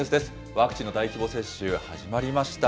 ワクチンの大規模接種、始まりました。